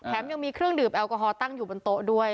ยังมีเครื่องดื่มแอลกอฮอลตั้งอยู่บนโต๊ะด้วย